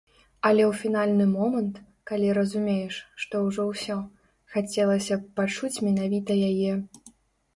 Але ў фінальны момант, калі разумееш, што ўжо ўсё, хацелася б пачуць менавіта яе.